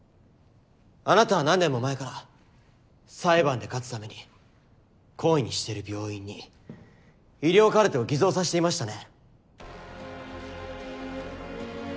あなたは何年も前から裁判で勝つために懇意にしている病院に医療カルテを偽造させていましたね？